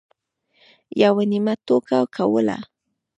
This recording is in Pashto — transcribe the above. یوه نیمه ټوکه کوله.